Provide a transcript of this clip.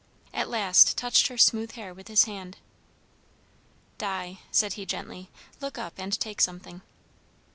At last touched her smooth hair with his hand. "Di," said he gently, "look up and take something."